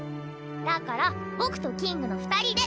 だから僕とキングの二人で。